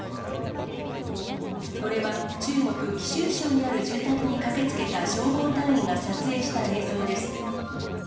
これは、中国・貴州省にある住宅に駆けつけた消防隊員が撮影した映像です。